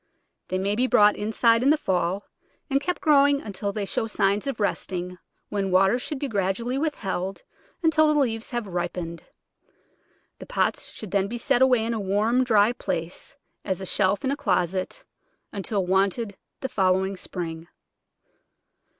They may be brought inside in the fall, and kept growing until they show signs of resting, when water should be gradually withheld until the leaves have ripened. The pots should then be set away in a warm, dry place — as a shelf in a closet — until wanted the following spring.